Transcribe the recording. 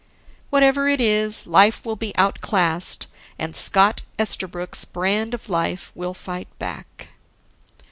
Whatever it is, life will be outclassed, and Scott Esterbrook's brand of life will fight back.